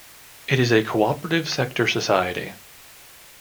It is a cooperative sector society.